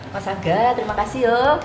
mas angga terima kasih yuk